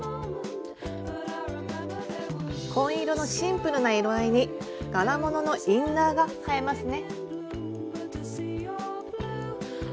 紺色のシンプルな色合いに柄物のインナーが映えますね。